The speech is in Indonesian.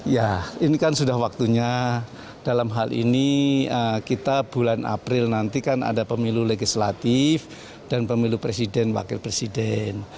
ya ini kan sudah waktunya dalam hal ini kita bulan april nanti kan ada pemilu legislatif dan pemilu presiden wakil presiden